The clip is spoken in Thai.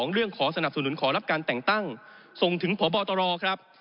เรื่องขอสนับสนุนขอรับการแต่งตั้งส่งถึงพบตรครับ